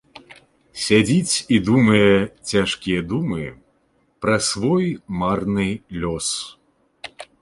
Сядзіць і думае цяжкія думы пра свой марны лёс.